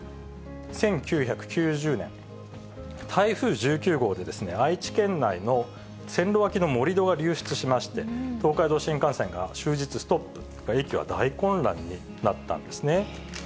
１９９０年、台風１９号で愛知県内の線路脇の盛り土が流出しまして、東海道新幹線が終日ストップ、駅は大混乱になったんですね。